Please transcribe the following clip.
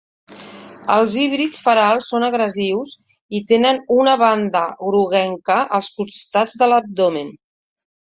Els híbrids ferals són agressius i tenen una banda groguenca als costats de l'abdomen.